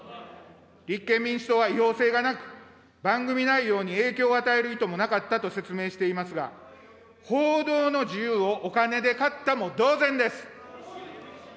立憲民主党は、違法性がなく、番組内容に影響を与える意図もなかったと説明していますが、報道の自由をお金で買ったも同然です。